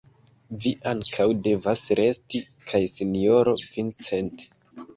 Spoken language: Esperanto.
Vi ankaŭ devas resti, kaj sinjoro Vincent.